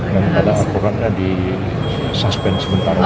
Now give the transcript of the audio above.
karena advokatnya di suspend sebentar lagi